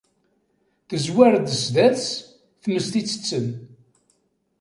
Tezwar-d sdat-s tmes ittetten.